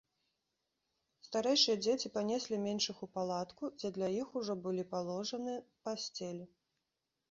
Старэйшыя дзеці панеслі меншых у палатку, дзе для іх ужо былі паложаны пасцелі.